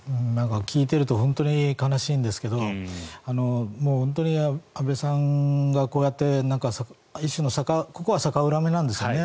聞いていると本当に悲しいんですけど本当に安倍さんがこうやって一種のここは逆恨みなんですよね。